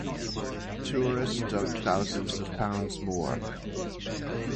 Tourists dug thousands of pounds more.